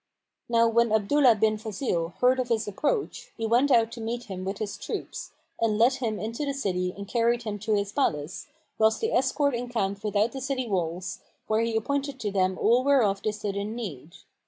Now when Abdullah bin Fazil heard of his approach, he went out to meet him with his troops, and led him into the city and carried him to his palace, whilst the escort encamped without the city walls, where he appointed to them all whereof they stood in need.